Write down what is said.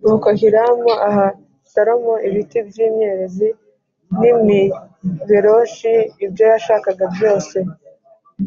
Nuko Hiramu aha Salomo ibiti by’imyerezi n’imiberoshi, ibyo yashakaga byose